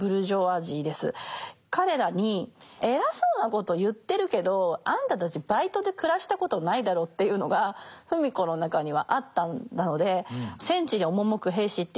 彼らに「偉そうなこと言ってるけどあんたたちバイトで暮らしたことないだろ」っていうのが芙美子の中にはあったので。